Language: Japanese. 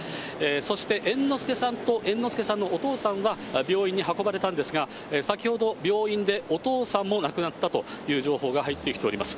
そして猿之助さんと猿之助さんのお父さんは、病院に運ばれたんですが、先ほど、病院でお父さんも亡くなったという情報が入ってきております。